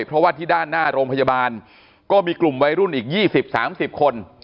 เพราะว่าที่ด้านหน้าโรงพยาบาลก็มีกลุ่มวัยรุ่นอีก๒๐๓๐คน